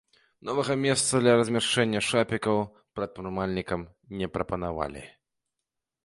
Новага месца для размяшчэння шапікаў прадпрымальнікам не прапанавалі.